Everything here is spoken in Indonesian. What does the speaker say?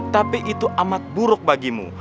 tapi itu amat buruk bagimu